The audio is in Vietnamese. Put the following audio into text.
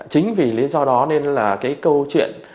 chính vì lý do đó nên là câu chuyện